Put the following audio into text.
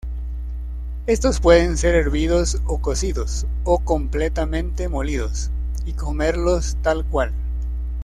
Estos pueden ser hervidos o cocidos, o completamente molidos y comerlos tal cual.